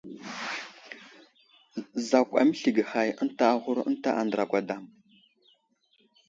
Zakw aməslige hay ənta aghur ənta andra gwadam.